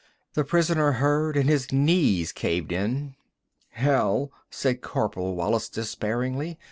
The prisoner heard, and his knees caved in. "Hell," said Corporal Wallis dispairingly.